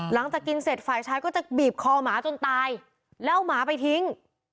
หลังจากกินเสร็จฝ่ายชายก็จะบีบคอหมาจนตายแล้วเอาหมาไปทิ้ง